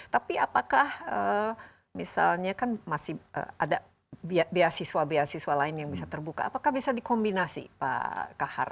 tapi apakah misalnya kan masih ada beasiswa beasiswa lain yang bisa terbuka apakah bisa dikombinasi pak kahar